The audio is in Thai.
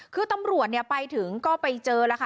คือตำรวจไปถึงก็ไปเจอแล้วค่ะ